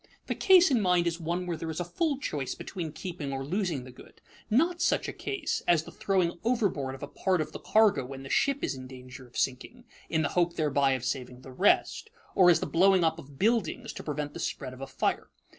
_ The case in mind is one where there is full choice between keeping or losing the good, not such a case as the throwing overboard of a part of the cargo when the ship is in danger of sinking, in the hope thereby of saving the rest, or as the blowing up of buildings to prevent the spread of a fire.